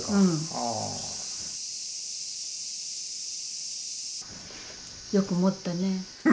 あぁ。よくもったね。